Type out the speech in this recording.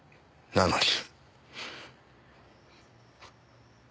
なのに。